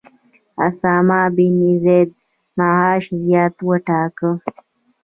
اسامه بن زید معاش زیات وټاکه.